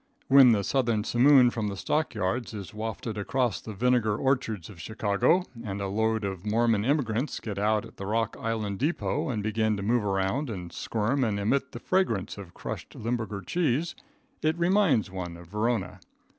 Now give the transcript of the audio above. When the southern simoon from the stock yards is wafted across the vinegar orchards of Chicago, and a load of Mormon emigrants get out at the Rock Island depot and begin to move around and squirm and emit the fragrance of crushed Limburger cheese, it reminds one of Verona.